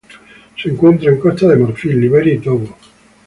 Se encuentra en Costa de Marfil, Liberia y Togo.